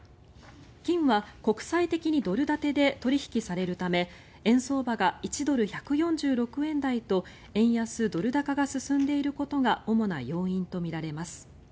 金は国際的にドル建てで取引されるため円相場が１ドル＝１４６円台と円安・ドル高が進んでいることが主な要因とみられます。